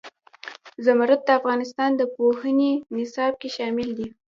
زمرد د افغانستان د پوهنې نصاب کې شامل دي.